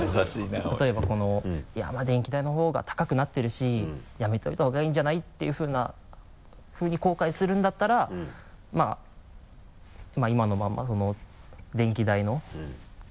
例えばこの電気代の方が高くなってるしやめといた方がいいんじゃないっていうふうに後悔するんだったらまぁ今のままその電気代の。